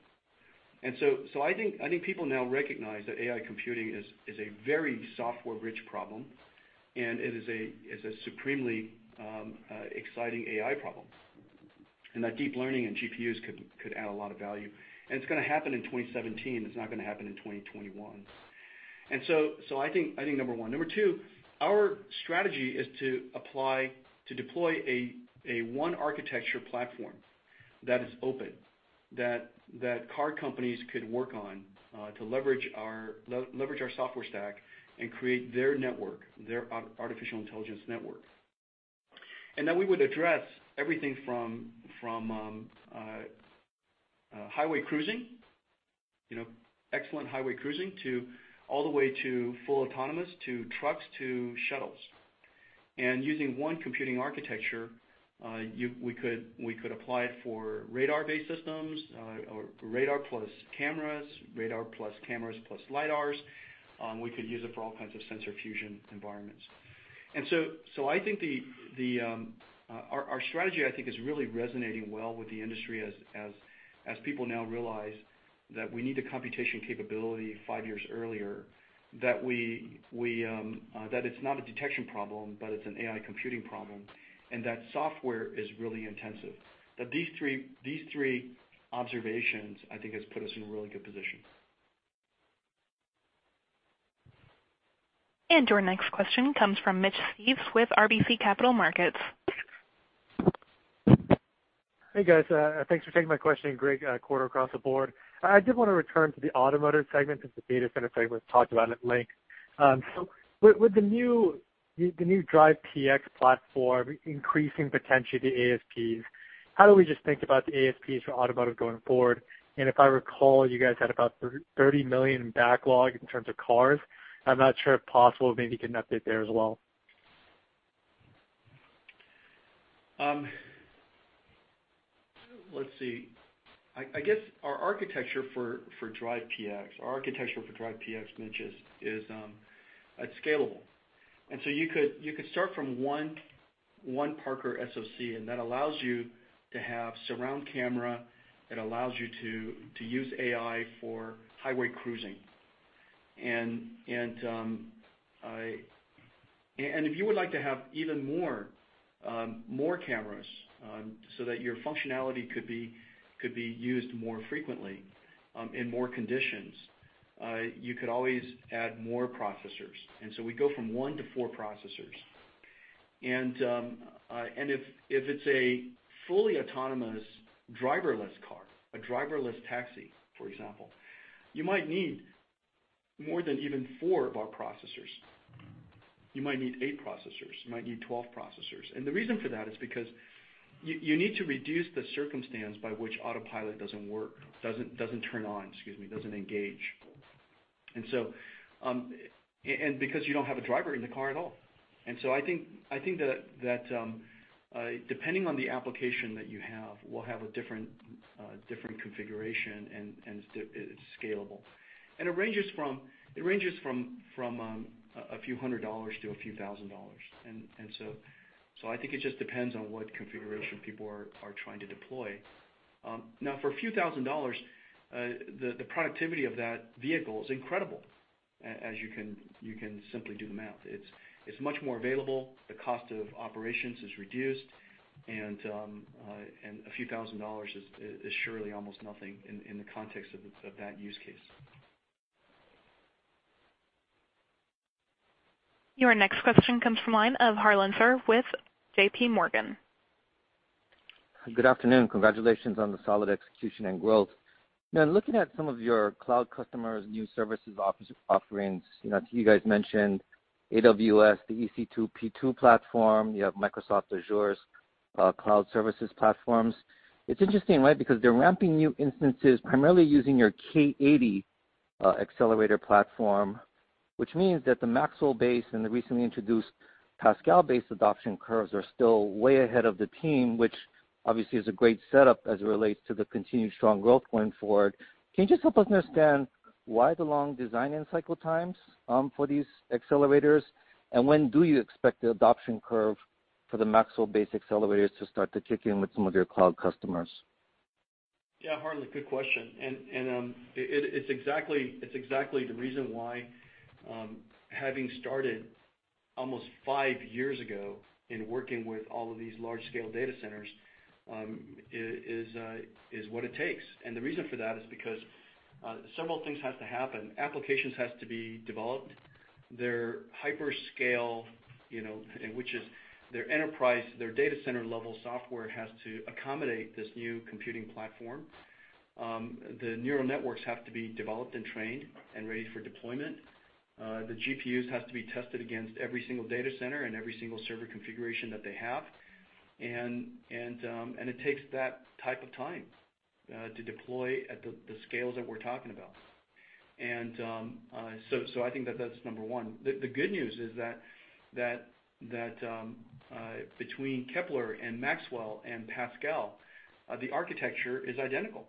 E: I think people now recognize that AI computing is a very software-rich problem, and it is a supremely exciting AI problem, and that deep learning and GPUs could add a lot of value, and it's going to happen in 2017. It's not going to happen in 2021. I think, number 1. Number 2, our strategy is to deploy a one architecture platform that is open, that car companies could work on to leverage our software stack and create their network, their artificial intelligence network. That we would address everything from highway cruising, excellent highway cruising, all the way to full autonomous to trucks to shuttles. Using one computing architecture, we could apply it for radar-based systems or radar plus cameras, radar plus cameras plus lidars. We could use it for all kinds of sensor fusion environments. Our strategy, I think, is really resonating well with the industry as people now realize that we need the computation capability five years earlier, that it's not a detection problem, but it's an AI computing problem, and that software is really intensive. That these three observations, I think, has put us in a really good position.
A: Your next question comes from Mitch Steves with RBC Capital Markets.
L: Hey, guys. Thanks for taking my question. Great quarter across the board. I did want to return to the automotive segment since the data center segment was talked about at length. With the new DRIVE PX platform increasing potentially the ASPs, how do we just think about the ASPs for automotive going forward? If I recall, you guys had about $30 million in backlog in terms of cars. I'm not sure if possible, maybe get an update there as well.
E: You could start from one Parker SoC, and that allows you to have surround camera, it allows you to use AI for highway cruising. If you would like to have even more cameras, so that your functionality could be used more frequently in more conditions, you could always add more processors. We go from one to four processors. If it's a fully autonomous driverless car, a driverless taxi, for example, you might need more than even four of our processors. You might need 8 processors. You might need 12 processors. The reason for that is because you need to reduce the circumstance by which autopilot doesn't work, doesn't turn on, excuse me, doesn't engage. Because you don't have a driver in the car at all. I think that depending on the application that you have, will have a different configuration, and it's scalable. It ranges from $ a few hundred to $ a few thousand. I think it just depends on what configuration people are trying to deploy. Now, for $ a few thousand, the productivity of that vehicle is incredible, as you can simply do the math. It's much more available. The cost of operations is reduced, and $ a few thousand is surely almost nothing in the context of that use case.
A: Your next question comes from the line of Harlan Sur with J.P. Morgan.
M: Good afternoon. Congratulations on the solid execution and growth. Now, looking at some of your cloud customers' new services offerings, you guys mentioned AWS, the EC2 P2 platform. You have Microsoft Azure's cloud services platforms. It's interesting, right? Because they're ramping new instances primarily using your K80 accelerator platform, which means that the Maxwell-based and the recently introduced Pascal-based adoption curves are still way ahead of the team, which obviously is a great setup as it relates to the continued strong growth going forward. Can you just help us understand why the long design and cycle times for these accelerators, and when do you expect the adoption curve for the Maxwell-based accelerators to start to kick in with some of your cloud customers?
E: Yeah, Harlan, good question. It's exactly the reason why having started almost five years ago in working with all of these large-scale data centers, is what it takes. The reason for that is because several things have to happen. Applications has to be developed. Their hyperscale, their enterprise, their data center level software has to accommodate this new computing platform. The neural networks have to be developed and trained and ready for deployment. The GPUs have to be tested against every single data center and every single server configuration that they have. It takes that type of time to deploy at the scales that we're talking about. I think that that's number 1. The good news is that between Kepler and Maxwell and Pascal, the architecture is identical.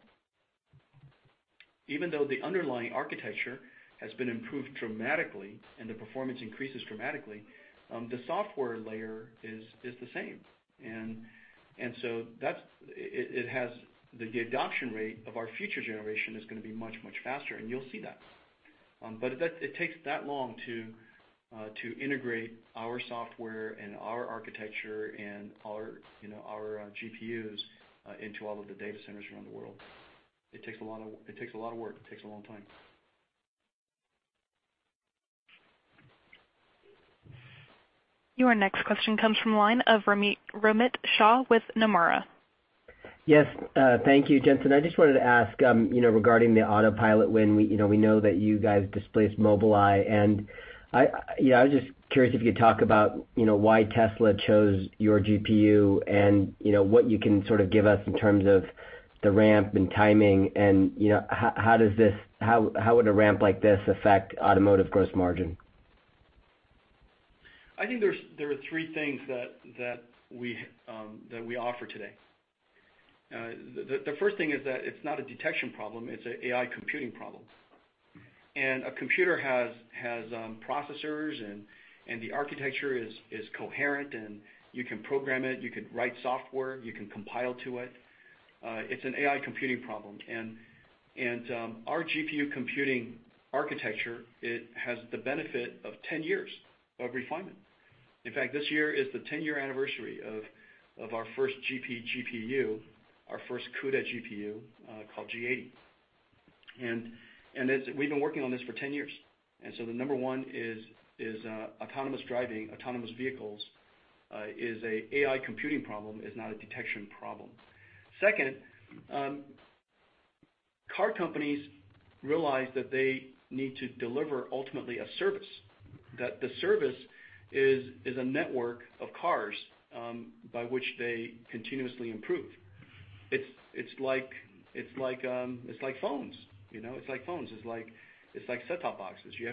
E: Even though the underlying architecture has been improved dramatically and the performance increases dramatically, the software layer is the same. The adoption rate of our future generation is going to be much, much faster, and you'll see that. It takes that long to integrate our software and our architecture and our GPUs into all of the data centers around the world. It takes a lot of work, it takes a long time.
A: Your next question comes from the line of Romit Shah with Nomura.
N: Yes. Thank you, Jensen. I just wanted to ask regarding the autopilot win, we know that you guys displaced Mobileye, and I was just curious if you could talk about why Tesla chose your GPU and what you can sort of give us in terms of the ramp and timing and how would a ramp like this affect automotive gross margin?
E: I think there are 3 things that we offer today. The first thing is that it's not a detection problem, it's an AI computing problem. A computer has processors, and the architecture is coherent, and you can program it, you can write software, you can compile to it. It's an AI computing problem. Our GPU computing architecture, it has the benefit of 10 years of refinement. In fact, this year is the 10-year anniversary of our first GPU, our first CUDA GPU, called G80. We've been working on this for 10 years. The number 1 is autonomous driving, autonomous vehicles, is an AI computing problem, is not a detection problem. Second, car companies realize that they need to deliver ultimately a service. That the service is a network of cars, by which they continuously improve. It's like phones. It's like set-top boxes. You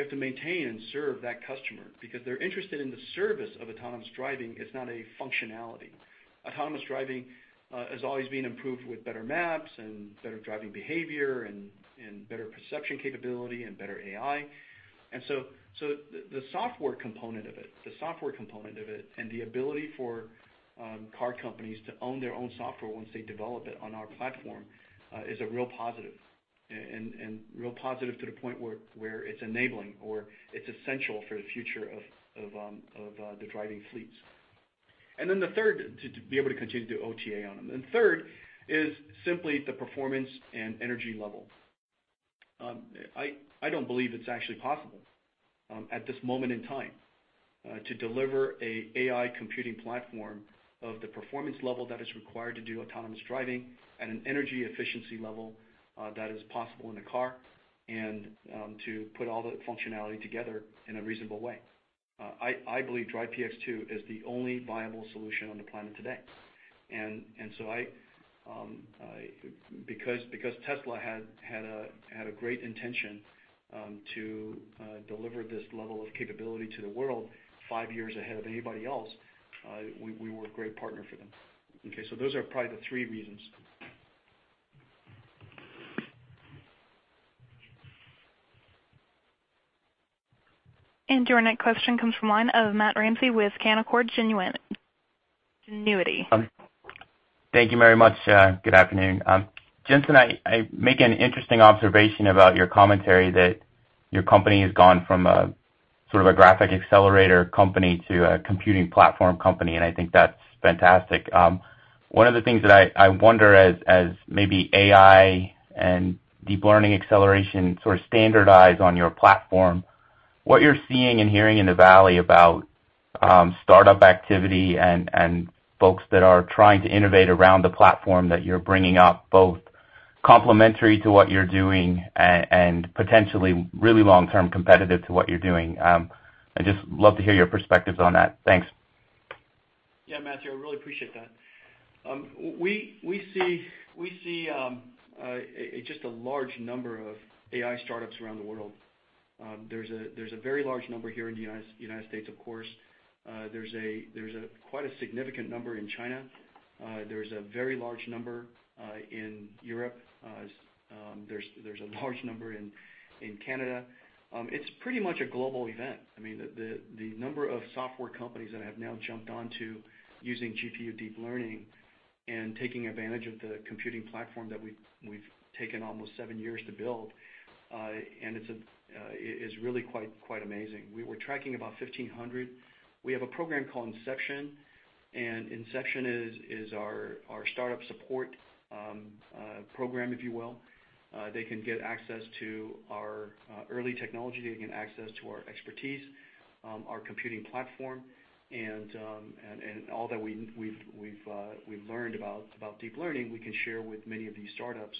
E: have to maintain and serve that customer because they're interested in the service of autonomous driving. It's not a functionality. Autonomous driving is always being improved with better maps, and better driving behavior, and better perception capability, and better AI. The software component of it, and the ability for car companies to own their own software once they develop it on our platform, is a real positive. Real positive to the point where it's enabling or it's essential for the future of the driving fleets. To be able to continue to do OTA on them. Third is simply the performance and energy level. I don't believe it's actually possible at this moment in time to deliver an AI computing platform of the performance level that is required to do autonomous driving at an energy efficiency level that is possible in a car, and to put all the functionality together in a reasonable way. I believe DRIVE PX 2 is the only viable solution on the planet today. Because Tesla had a great intention to deliver this level of capability to the world 5 years ahead of anybody else, we were a great partner for them. Those are probably the three reasons.
A: Your next question comes from the line of Matt Ramsay with Canaccord Genuity.
O: Thank you very much. Good afternoon. Jensen, I make an interesting observation about your commentary that your company has gone from a graphic accelerator company to a computing platform company, and I think that's fantastic. One of the things that I wonder as maybe AI and deep learning acceleration sort of standardize on your platform, what you're seeing and hearing in the Valley about startup activity and folks that are trying to innovate around the platform that you're bringing up, both complementary to what you're doing and potentially really long-term competitive to what you're doing. I'd just love to hear your perspectives on that. Thanks.
E: Yeah, Matthew, I really appreciate that. We see just a large number of AI startups around the world. There's a very large number here in the United States, of course. There's quite a significant number in China. There's a very large number in Europe. There's a large number in Canada. It's pretty much a global event. I mean, the number of software companies that have now jumped on to using GPU deep learning and taking advantage of the computing platform that we've taken almost seven years to build. It's really quite amazing. We were tracking about 1,500. We have a program called Inception. Inception is our startup support program, if you will. They can get access to our early technology. They can get access to our expertise, our computing platform, and all that we've learned about deep learning, we can share with many of these startups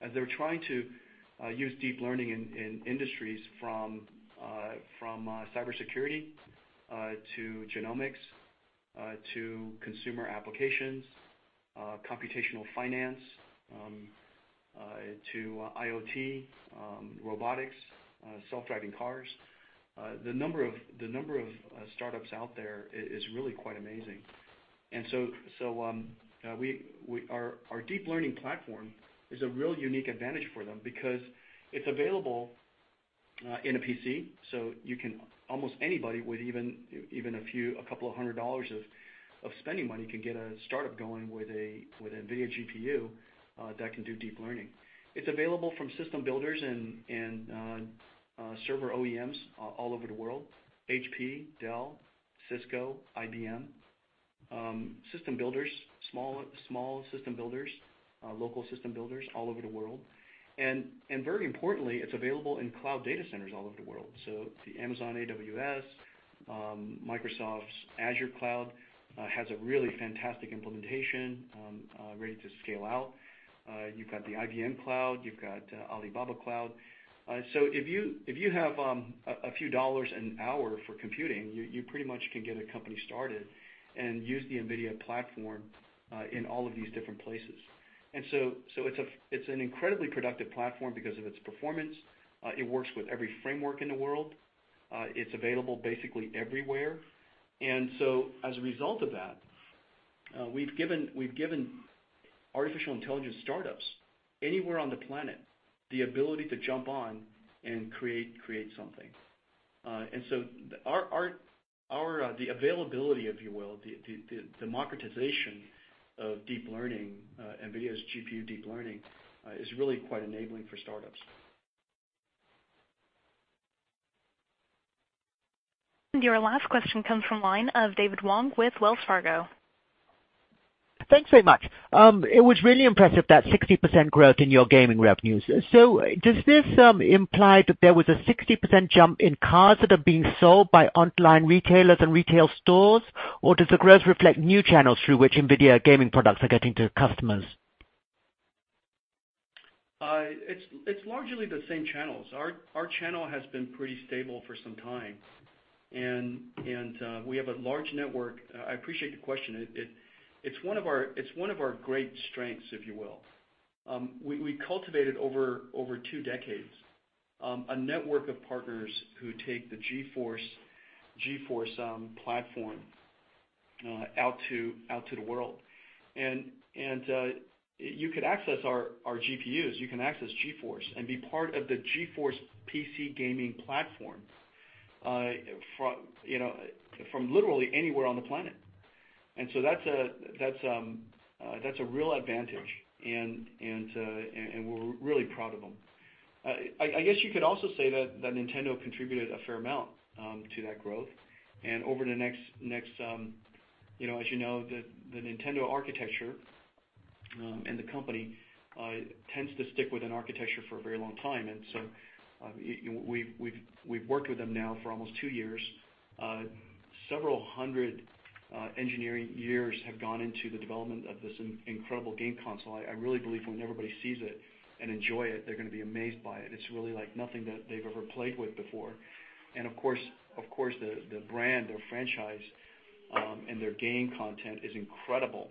E: as they're trying to use deep learning in industries from cybersecurity to genomics, to consumer applications, computational finance, to IoT, robotics, self-driving cars. The number of startups out there is really quite amazing. Our deep learning platform is a real unique advantage for them because it's available in a PC, so almost anybody with even a couple of hundred dollars of spending money can get a startup going with an NVIDIA GPU that can do deep learning. It's available from system builders and server OEMs all over the world, HP, Dell, Cisco, IBM. System builders, small system builders, local system builders all over the world. Very importantly, it's available in cloud data centers all over the world. The Amazon AWS, Microsoft's Azure cloud has a really fantastic implementation ready to scale out. You've got the IBM Cloud, you've got Alibaba Cloud. If you have a few dollars an hour for computing, you pretty much can get a company started and use the NVIDIA platform in all of these different places. It's an incredibly productive platform because of its performance. It works with every framework in the world. It's available basically everywhere. As a result of that, we've given artificial intelligence startups anywhere on the planet the ability to jump on and create something. The availability, if you will, the democratization of deep learning, NVIDIA's GPU deep learning, is really quite enabling for startups.
A: Your last question comes from the line of David Wong with Wells Fargo.
P: Thanks very much. It was really impressive, that 60% growth in your gaming revenues. Does this imply that there was a 60% jump in cards that are being sold by online retailers and retail stores, or does the growth reflect new channels through which NVIDIA gaming products are getting to customers?
E: It's largely the same channels. Our channel has been pretty stable for some time, and we have a large network. I appreciate the question. It's one of our great strengths, if you will. We cultivated over two decades, a network of partners who take the GeForce platform out to the world. You could access our GPUs, you can access GeForce, and be part of the GeForce PC gaming platform from literally anywhere on the planet. That's a real advantage, and we're really proud of them. I guess you could also say that Nintendo contributed a fair amount to that growth. As you know, the Nintendo architecture and the company tends to stick with an architecture for a very long time. We've worked with them now for almost two years. Several hundred engineering years have gone into the development of this incredible game console. I really believe when everybody sees it and enjoy it, they're going to be amazed by it. It's really like nothing that they've ever played with before. Of course, the brand, their franchise, and their game content is incredible.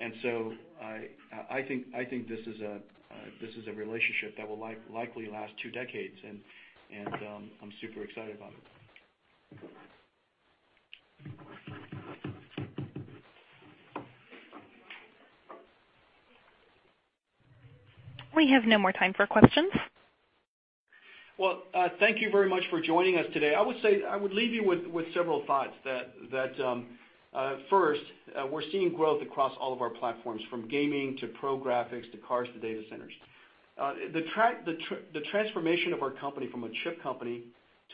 E: I think this is a relationship that will likely last two decades, and I'm super excited about it.
A: We have no more time for questions.
E: Well, thank you very much for joining us today. I would leave you with several thoughts. First, we are seeing growth across all of our platforms, from gaming to pro graphics, to cars, to data centers. The transformation of our company from a chip company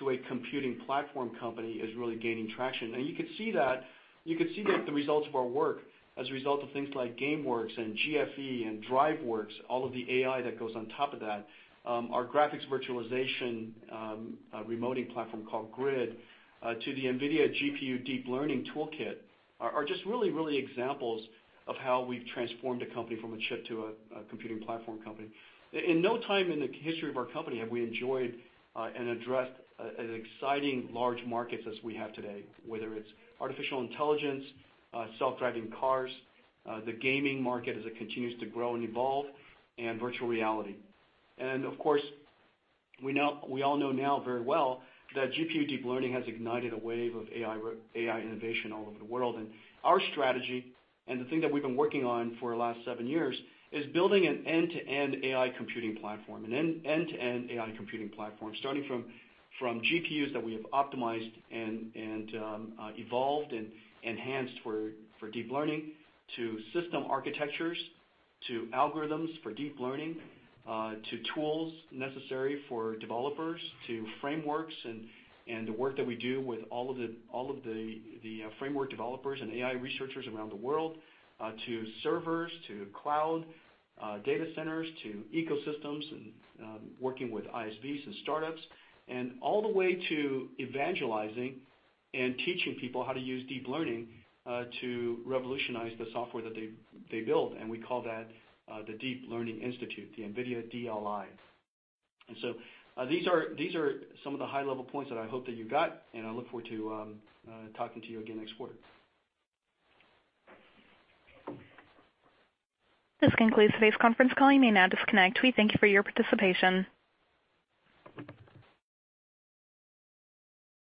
E: to a computing platform company is really gaining traction. You could see the results of our work as a result of things like GameWorks and GFE and DriveWorks, all of the AI that goes on top of that. Our graphics virtualization remoting platform called GRID, to the NVIDIA GPU Deep Learning Toolkit, are just really examples of how we have transformed a company from a chip to a computing platform company. In no time in the history of our company have we enjoyed and addressed as exciting large markets as we have today, whether it is artificial intelligence, self-driving cars, the gaming market as it continues to grow and evolve, and virtual reality. Of course, we all know now very well that GPU deep learning has ignited a wave of AI innovation all over the world. Our strategy and the thing that we have been working on for the last seven years is building an end-to-end AI computing platform, starting from GPUs that we have optimized and evolved and enhanced for deep learning to system architectures, to algorithms for deep learning, to tools necessary for developers, to frameworks and the work that we do with all of the framework developers and AI researchers around the world, to servers, to cloud data centers, to ecosystems, and working with ISVs and startups, and all the way to evangelizing and teaching people how to use deep learning to revolutionize the software that they build. We call that the Deep Learning Institute, the NVIDIA DLI. So these are some of the high-level points that I hope that you got, and I look forward to talking to you again next quarter.
A: This concludes today's conference call. You may now disconnect. We thank you for your participation.